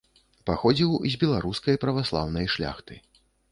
Паходзіў з беларускай праваслаўнай шляхты.